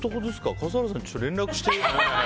笠原さんに連絡して。